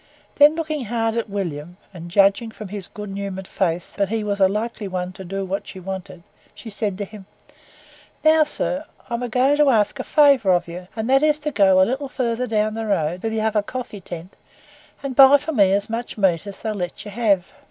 Then looking hard at William, and judging from his good humoured face, that he was a likely one to do what she wanted, she said to him. "Now, Sir, I'm agoing to ax a favour of you, and that is to go a little farther down the road, to the other coffee tent, and buy for me as much meat as they'll let you have.